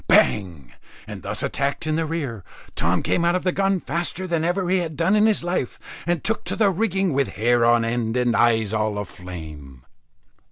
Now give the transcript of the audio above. Bang! and thus attacked in rear, Tom came out of the gun faster than ever he had done in his life, and took to the rigging, with hair on end and eyes all a flame.